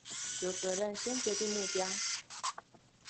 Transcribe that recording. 有責任先決定目標